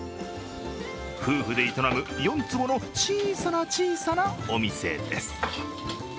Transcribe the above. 夫婦で営む４坪の小さな小さなお店です。